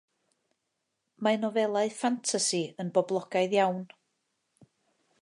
Mae nofelau ffantasi yn boblogaidd iawn.